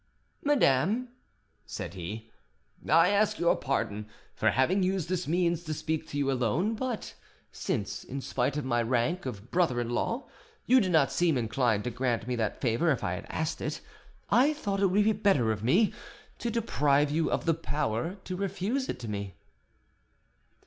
"Madame," said he, "I ask your pardon for having used this means to speak to you alone; but since, in spite of my rank of brother in law, you did not seem inclined to grant me that favour if I had asked it, I thought it would be better for me, to deprive you of the power to refuse it me."